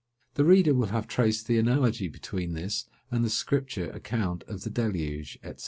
The reader will have traced the analogy between this and the Scripture account of the deluge, &c.